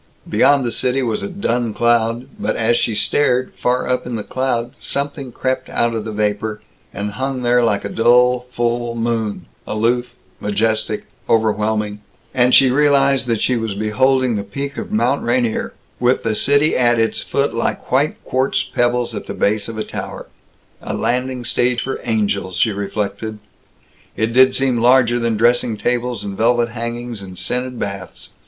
Beyond the city was a dun cloud, but as she stared, far up in the cloud something crept out of the vapor, and hung there like a dull full moon, aloof, majestic, overwhelming, and she realized that she was beholding the peak of Mount Rainier, with the city at its foot like white quartz pebbles at the base of a tower. A landing stage for angels, she reflected. It did seem larger than dressing tables and velvet hangings and scented baths.